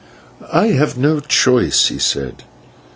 "I have no choice," he said.